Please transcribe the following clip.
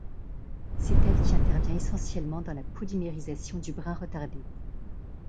C'est elle qui intervient essentiellement dans la polymérisation du brin retardé.